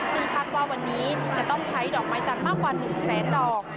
ซึ่งคาดว่าวันนี้จะต้องใช้ดอกไม้จันทร์มากกว่า๑แสนดอก